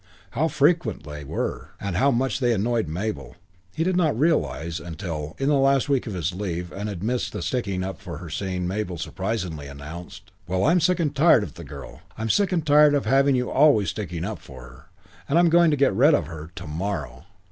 How frequent they were, and how much they annoyed Mabel, he did not realise until, in the last week of his leave, and in the midst of a sticking up for her scene, Mabel surprisingly announced, "Well, anyway I'm sick and tired of the girl, and I'm sick and tired of having you always sticking up for her, and I'm going to get rid of her to morrow."